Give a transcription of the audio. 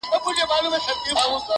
غمونه هېر سي اتڼونو ته ډولونو راځي؛